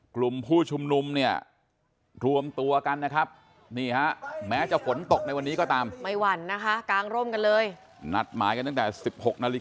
กลุ่มผู้ชุมนุมเนี่ยรวมตัวกันนะครับ